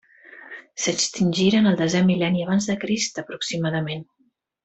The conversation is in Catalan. S'extingiren el desè mil·lenni abans de Crist aproximadament.